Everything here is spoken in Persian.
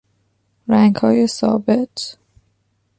رنگهای ثابت